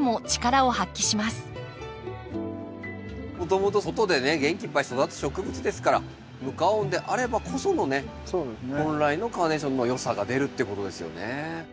もともと外でね元気いっぱい育つ植物ですから無加温であればこそのね本来のカーネーションのよさが出るっていうことですよね。